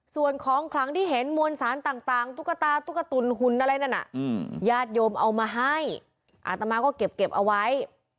ส่วนของขลังที่เห็นมวลสารต่างตุ๊กตาตุ๊กตุ๋นหุ่นอะไรนั่นน่ะญาติโยมเอามาให้อาตมาก็เก็บเอาไว้